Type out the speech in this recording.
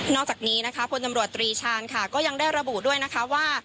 นอกจากนี้นะคะผู้จำรวจตรีชานก็ยังได้ระบุด้วยว่า